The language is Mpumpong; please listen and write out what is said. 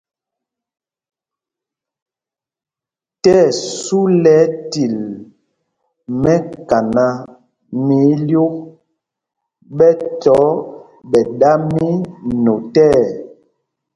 Tí ɛsu lɛ ɛtil mɛkaná mɛ ílyûk, ɓɛ tɔ́ ɓɛ̌ ɗa mí notɛɛ.